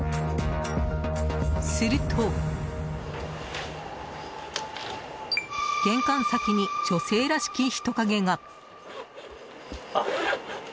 すると、玄関先に女性らしき人影が。